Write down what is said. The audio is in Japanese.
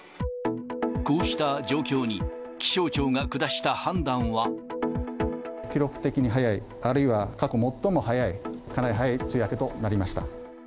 こうした状況に、気象庁が下記録的に早い、あるいは過去最も早い、かなり早い梅雨明けとなりました。